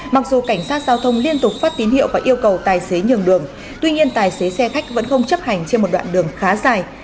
mặc dù cảnh sát giao thông liên tục phát tín hiệu và yêu cầu tài xế nhường đường tuy nhiên tài xế xe khách vẫn không chấp hành trên một đoạn đường khá dài